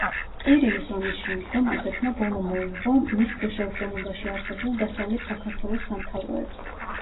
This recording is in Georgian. ყირიმის ომის შემდგომ რუსეთმა ბოლო მოუღო მის ქვეშევრდომობაში არსებულ დასავლეთ საქართველოს სამთავროებს.